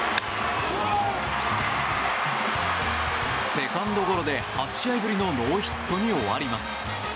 セカンドゴロで、８試合ぶりのノーヒットに終わります。